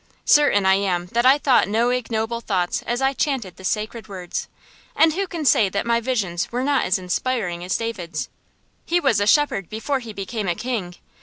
Certain I am that I thought no ignoble thoughts as I chanted the sacred words; and who can say that my visions were not as inspiring as David's? He was a shepherd before he became a king.